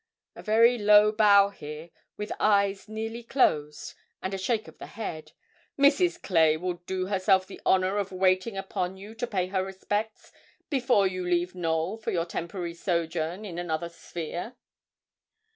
A very low bow here, with eyes nearly closed, and a shake of the head. 'Mrs. Clay will do herself the honour of waiting upon you, to pay her respects, before you leave Knowl for your temporary sojourn in another sphere.'